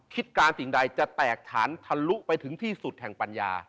การสิ่งใดจะแตกฐานทะลุไปถึงที่สุดแห่งปัญญา